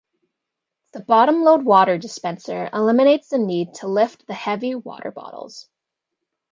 The bottom-load water dispenser eliminates the need to lift the heavy water bottles.